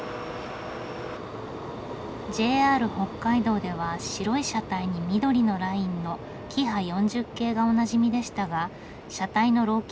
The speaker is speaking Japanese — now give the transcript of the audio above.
ＪＲ北海道では白い車体に緑のラインのキハ４０系がおなじみでしたが車体の老朽化が進み